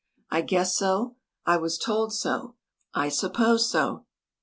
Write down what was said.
" I guess so ;" "I was told so ;" ''1 supposed so."